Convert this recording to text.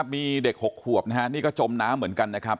มีเด็ก๖ขวบนะฮะนี่ก็จมน้ำเหมือนกันนะครับ